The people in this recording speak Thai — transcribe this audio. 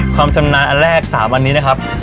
ความชำนาญอันแรก๓อันนี้นะครับ